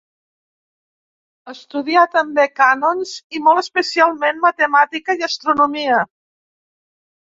Estudià també cànons, i molt especialment matemàtica i astronomia.